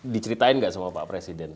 diceritain nggak sama pak presiden